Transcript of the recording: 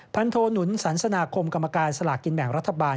พันโทหนุนสันสนาคมกรรมการสลากกินแบ่งรัฐบาล